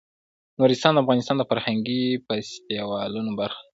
نورستان د افغانستان د فرهنګي فستیوالونو برخه ده.